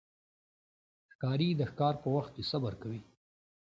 ښکاري د ښکار په وخت کې صبر کوي.